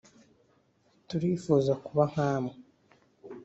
turifuza kuba nka mwe